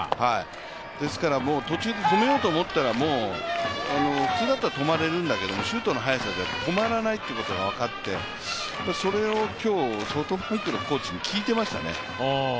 ですから途中で止めようと思ったら、普通だったら止まれるんだけども周東の速さだったら止まらないってことが分かって、それを今日、相当ソフトバンクのコーチに聞いていましたね。